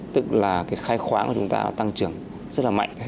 tức là cái khai khoáng của chúng ta tăng trưởng rất là mạnh